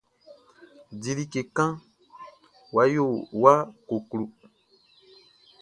Di like kan ya koklo.